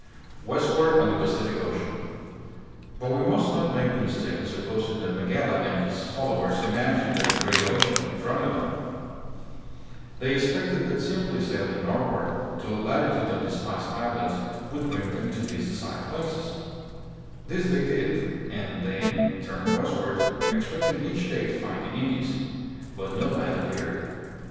Westward on the Pacific Ocean. But we must not make the mistake of supposing that Magellan and his fol lowers imagined that a great ocean confronted them. They expected that simply sailing northward to the lati tude of the Spice Islands would bring them to these de sired places. This they did, and then turned westward, expecting each day to find the Indies; but no land ap peared.